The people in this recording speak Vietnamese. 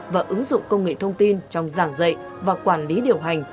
và ứng dụng công nghệ thông tin trong giảng dạy và quản lý điều hành